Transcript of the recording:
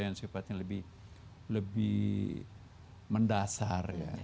yang sifatnya lebih mendasar ya